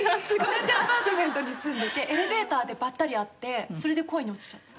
同じアパートメントに住んでてエレベーターでばったり会ってそれで恋に落ちちゃった。